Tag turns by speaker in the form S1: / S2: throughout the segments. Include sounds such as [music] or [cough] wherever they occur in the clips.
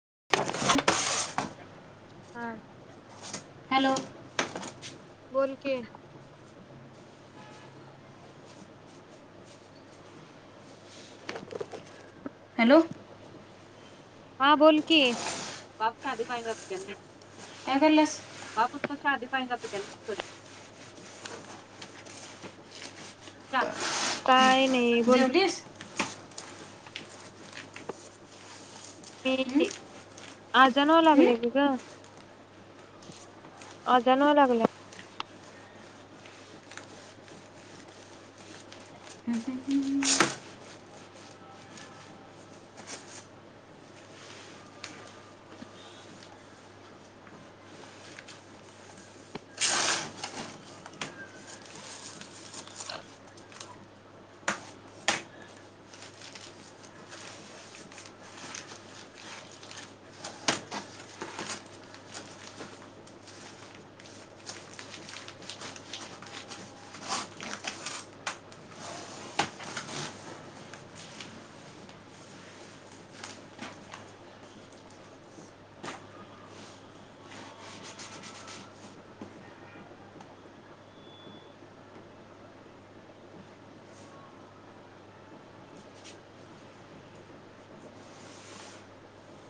S1: [inaudible] हा
S2: हॅलो
S1: बोल की
S2: हॅलो
S1: हा बोल की [unintelligible]
S2: काय करायल्यास
S1: बापूस कशा आधी पाहि तुझ्याने कर [inaudible] [inaudible] काय नाही बोल
S2: जेवलीस हं?
S1: मी आजन व्हाय
S2: हं?
S1: लागले की ग अजण व्हाय लागल्या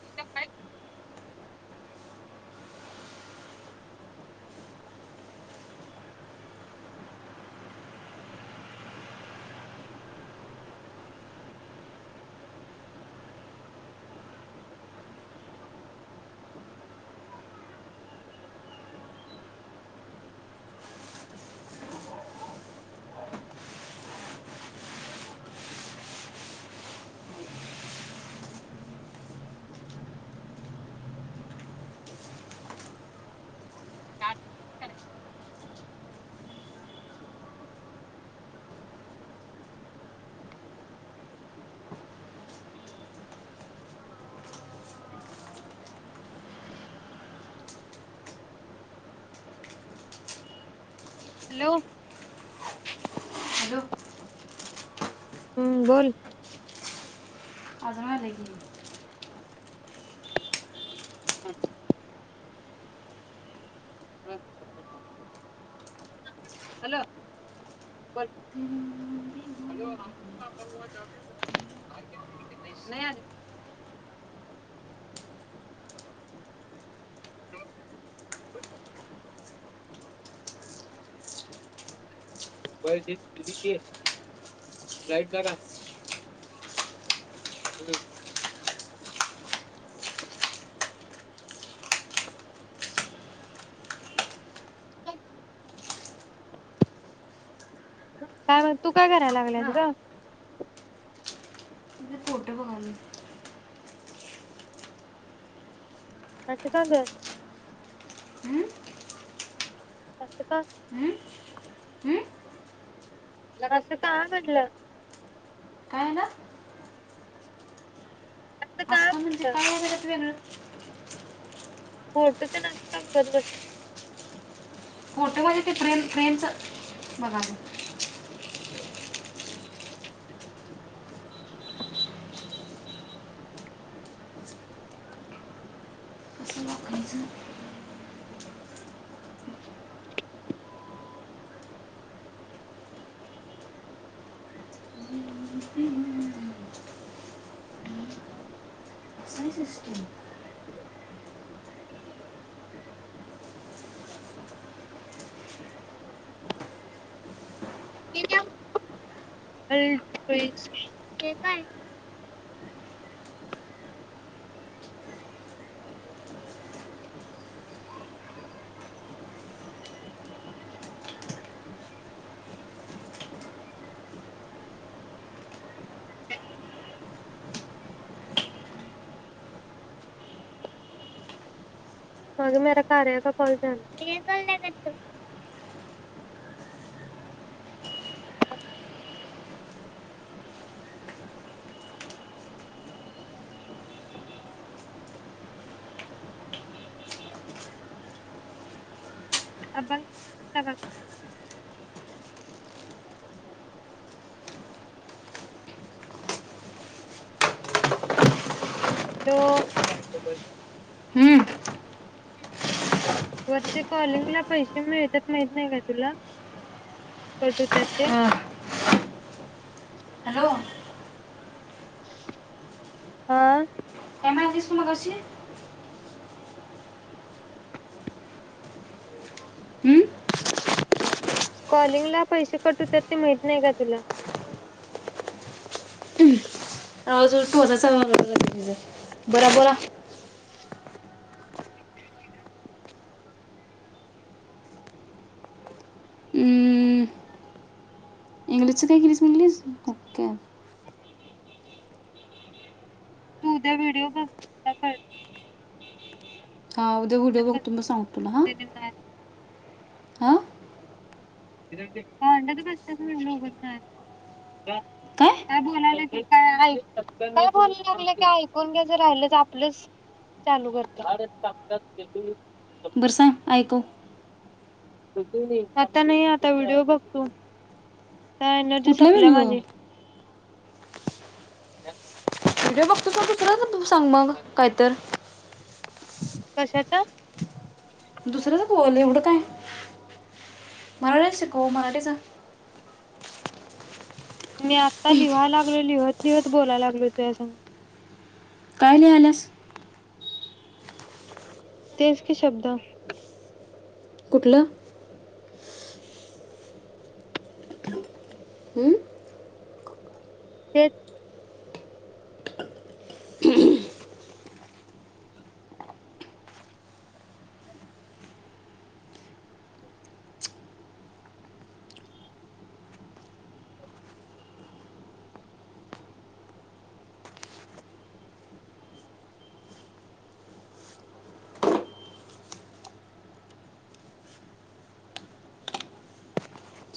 S1: त [unintelligible] [unintelligible] हॅलो [inaudible]
S2: हॅलो
S1: हम्म बोल
S2: आजाण व्हायल्या की
S1: [inaudible] हॅलो बोल हॉलो [unintelligible] नही आरी [inaudible] [unintelligible] ई [unintelligible] दिल्ली लाईट लगा [inaudible] हम्म [unintelligible] काय म तू काय करायला लागलायस रे
S2: फोटो बगालोय
S1: असं का ग
S2: हं?
S1: आस का
S2: हं? हं?
S1: आसं का घडलं
S2: काय ना
S1: असं का
S2: आस म्हणजे
S1: म्हटलं
S2: काय हाय यात वेगळं
S1: फोटो तेन आस बघत बस
S2: फोटो मधी ते फ्रेम फ्रेमचा बगालोय
S1: [inaudible]
S2: कसं बघायचं कसं सिस्टम
S1: [unintelligible] [unintelligible] हे काय आगे मेरा कार्य का कॉल चालू है [unintelligible] अबा [inaudible] [inaudible] त्यो [unintelligible] वर्षे कॉलिंगला पैसे मिळतात माहत नाही का तुला कट हूत्यात ते
S2: हो
S1: आ
S2: काय म्हणालतीस तू मगशी
S1: कॉलिंगला पैसे कट होतात ते माहित नाही का तुला
S2: [unintelligible] अस बराबरा इंग्लिशचं काय केिलीस म्हणलीस ओके
S1: तू उद्या व्हिडिओ बघ काय कळ
S2: हा उद्या व्हिडिओ बघतो
S1: बसलेली
S2: मग सांगतो तुला हां
S1: माझ इधर देख भांडत बसतच म्ह काय
S2: काय
S1: बोलायला का काय बोलाल्या लागलं की ऐकून घ्या ज राहिल आपलंच चालू करत्यात [unintelligible]
S2: बरं सां ऐकव
S1: आता नाही आता व्हिडिओ बघतो एनर्जी
S2: कुठला
S1: संपल्या
S2: व्हिडिओ
S1: माझी ह
S2: व्हिडीओ बघ त दुसरा सांग मग कायत
S1: कशाचा
S2: दुसरंच बोल एवढं काय मराठीच शिकव मराठीचा
S1: मी आता लिहायला लागल लिहत दिवत बोलाय लागलोय तुया संग
S2: काय लिहायल्यास
S1: तेच कि शब्द
S2: कुठल हम्म?
S1: तेच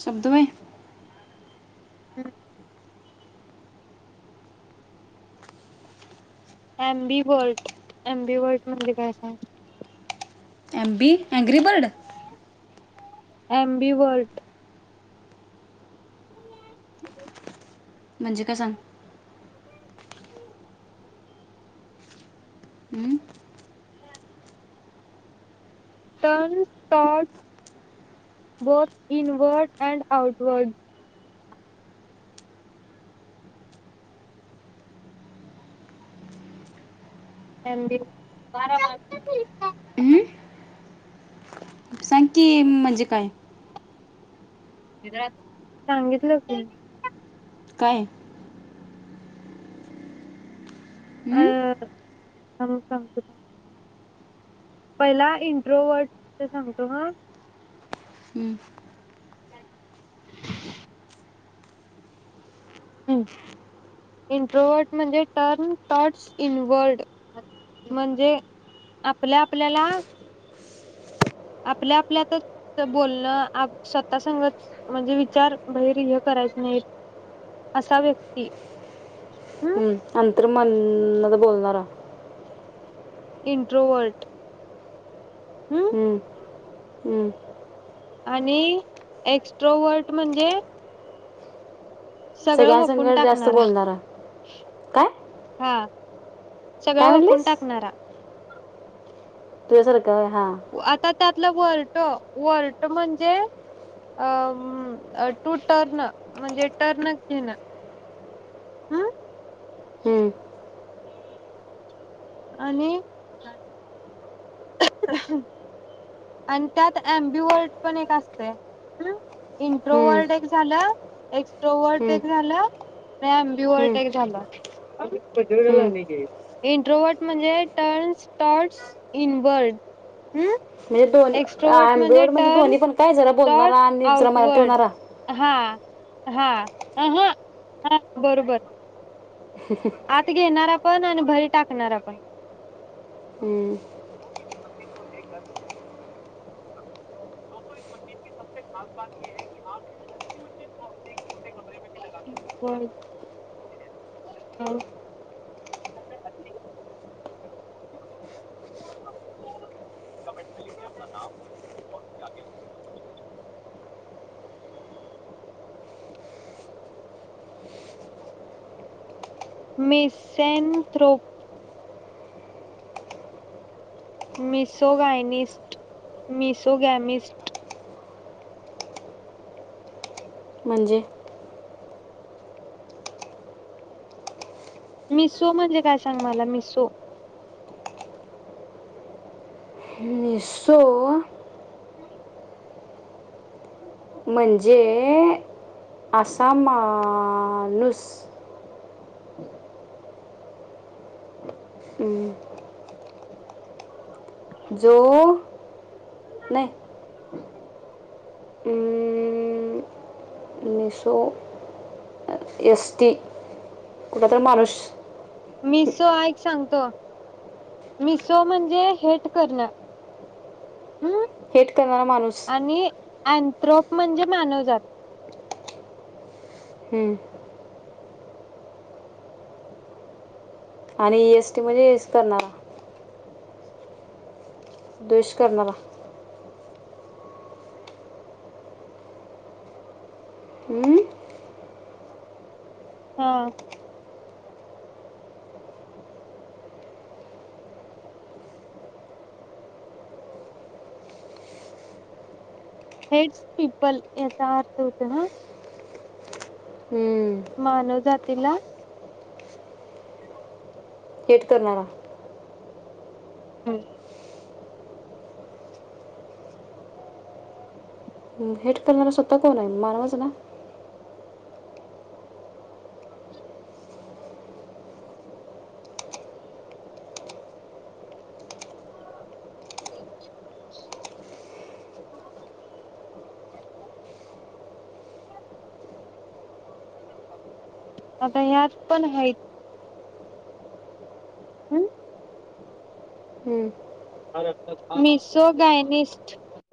S2: शब्दवय
S1: हम् ॲम्बीवल्ट ॲम्बीवल्ट म्हणजे काय सांग
S2: ॲम्बी अँग्रीबर्ड
S1: ॲम्बीवल्ट
S2: म्हणजे काय सांग हम्म?
S1: ह turn taught work invert and outward ऑम्बी काय [unintelligible]
S2: हम्म? ती म म्हणजे काय
S1: खिजळात सांगितल होत मी
S2: काय हम्म?
S1: अअअ थाब सांगते थाम पहिला इंट्रोवर्ट चे सांगतो ह
S2: हम्म.
S1: [unintelligible] हम् इंट्रोवट म्हणजे टर्न टॉटस इनवर्ड म्हणजे आपल्या आपल्याला आपल्या आपल्यातच बोलण आप स्वता संगत म्हणजे विचार भैरय करायच नाहीत असा व्यक्ती हम्
S2: हम्म अंतर मान मद्धे बोल तरा
S1: इंट्रोवर्ट हम्म
S2: हम्म.
S1: आणि एक्स्ट्रोवर्ट म्हणजे सगळ वकून
S2: सगळ्यांसंग जास्त
S1: टाकणारा
S2: बोलणारा काय
S1: हा सगळं
S2: काय
S1: वाकुन
S2: म्हणलीस
S1: टाकणारा
S2: तूया सारक त हा
S1: त्यातल वर्टो वर्ट म्हणजे अ टू टर्न म्हणजे टर्न घेण हम्
S2: हम्म
S1: आणि आणि त्यात ॲम्बीवर्ट पण एक असतय हम्
S2: हम्म,
S1: इंट्रोवर्ट एक झाल एक्स्ट्रोवर्ट
S2: हम्म,
S1: एक झाल प्या ॲम्बीवर्ट
S2: हम्म,
S1: एक झाला अगं सगळ
S2: हम्म.
S1: आणि घे इंट्रोवर्ट म्हणजे टर्नस टॉट्स इनवर्ल्ड
S2: म्हजे दोनी आ आंबवड म्हणजे
S1: टर्न
S2: दो्ही पण काय जरा
S1: टॉट
S2: बोलणारा आणि जरा मराठी
S1: आउटवर्ड
S2: होणारा
S1: हा हा अह हा बरोबर आत घेणारा. पण आणि बाहीर टाकणार पण.
S2: हम्म,
S1: कमट [unintelligible] मेसेनथ्रोप. मिसो गायनस् मिसो गॅमिस्ट.
S2: म्हणजे.
S1: मिसो म्हणजे काय सांग मला मिसो.
S2: सो
S1: हम् [inaudible]
S2: म्हणजे आसामानूस. हम्म, जो नाही.
S1: [inaudible]
S2: मीसो एसटी कुठ तर माणूस.
S1: मिसो ऐक सांगतो, मिसो म्हणजे हेट करण.
S2: हेट करणारा माणूस.
S1: अनथ्रोप म्हणजे मानवजात.
S2: हम आणि ईएसटी म्हणजे येस करणारा. द्वेष करणारा. हम्म
S1: हा. हेड्स पिपल याचा अर्थ होत ना.
S2: हम्म.
S1: मानव जातीला. [inaudible]
S2: हेट करणारा.
S1: हम्म
S2: हेट करणारा स्वतः कोण आहे. मानवाच ना.
S1: मी आता यात पण हय. आन
S2: हम्म
S1: मिसो गायनिस्ट.